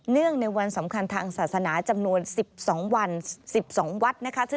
ในวันสำคัญทางศาสนาจำนวน๑๒วัน๑๒วัดนะคะ